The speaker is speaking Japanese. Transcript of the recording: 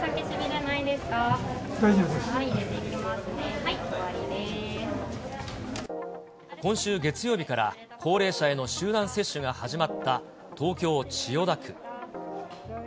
はい、入れていきますね、今週月曜日から高齢者への集団接種が始まった、東京・千代田区。